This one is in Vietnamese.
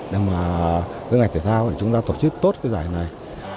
để mà với ngành thể thao chúng ta tổ chức tốt cái giải này